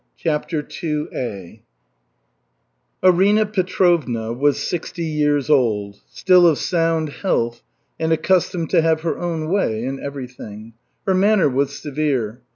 CHAPTER II Arina Petrovna was sixty years old, still of sound health and accustomed to have her own way in everything. Her manner was severe.